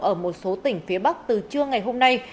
ở một số tỉnh phía bắc từ trưa ngày hôm nay